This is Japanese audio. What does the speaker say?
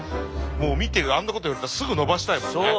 もう見てあんなこと言われたらすぐのばしたいもんね。